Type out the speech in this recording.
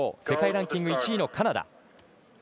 世界ランキング１位のカナダ。